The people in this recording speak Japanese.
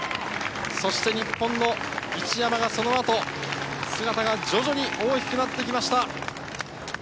そして日本の一山が、そのあと姿が徐々に大きくなってきました。